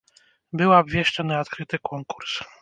Быў абвешчаны адкрыты конкурс.